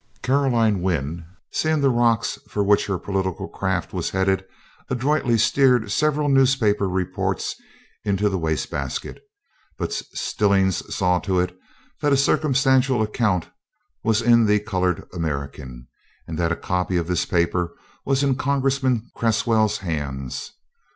Caroline Wynn, seeing the rocks for which her political craft was headed, adroitly steered several newspaper reports into the waste basket, but Stillings saw to it that a circumstantial account was in the Colored American, and that a copy of this paper was in Congressman Cresswell's hands.